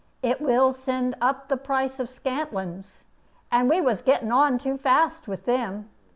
It will send up the price of scantlings, and we was getting on too fast with them.